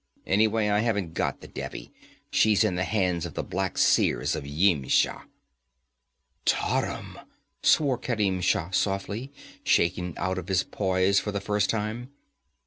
Anyway, I haven't got the Devi. She's in the hands of the Black Seers of Yimsha.' 'Tarim!' swore Kerim Shah softly, shaken out of his poise for the first time.